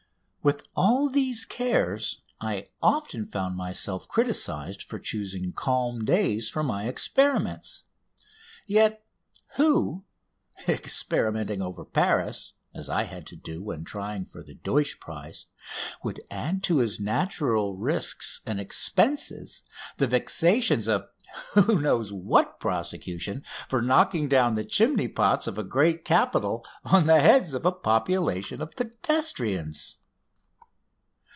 With all these cares I often found myself criticised for choosing calm days for my experiments. Yet who, experimenting over Paris as I had to do when trying for the Deutsch prize would add to his natural risks and expenses the vexations of who knows what prosecution for knocking down the chimney pots of a great capital on the heads of a population of pedestrians?